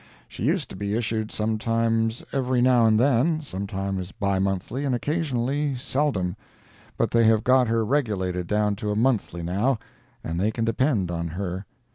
She used to be issued sometimes every now and then, sometimes bi monthly and occasionally seldom, but they have got her regulated down to a monthly now, and they can depend on her.